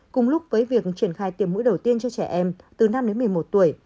cùng lúc với việc triển khai tiêm mũi đầu tiên cho trẻ em từ năm đến một mươi một tuổi